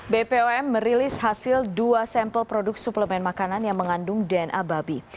bpom merilis hasil dua sampel produk suplemen makanan yang mengandung dna babi